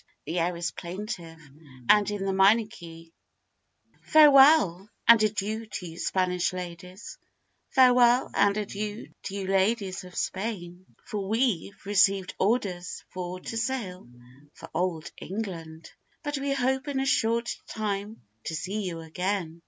The air is plaintive, and in the minor key. See Popular Music.] FAREWELL, and adieu to you Spanish ladies, Farewell, and adieu to you ladies of Spain! For we've received orders for to sail for old England, But we hope in a short time to see you again.